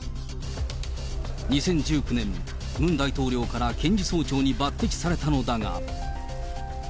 ２０１９年、ムン大統領から検事総長に抜てきされたのだが。